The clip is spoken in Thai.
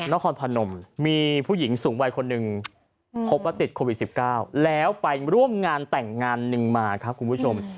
นครพนมมีผู้หญิงสูงวัยคนหนึ่งพบว่าติดโควิด๑๙แล้วไปร่วมงานแต่งงานหนึ่งมาครับคุณผู้ชม